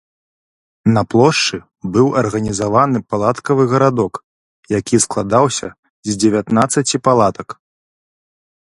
На плошчы быў арганізаваны палаткавы гарадок, які складаўся з дзевятнаццаці палатак.